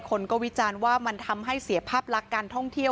คนก็วิจารณ์ว่ามันทำให้เสียภาพลักษณ์การท่องเที่ยว